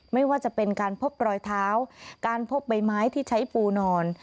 ไม่ว่าจะเป็นการพบรอยเท้าการพบใบไม้ที่ใช้ปูนอน